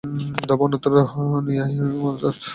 ধাবা অন্যত্র নেয়ার মাল স্যার।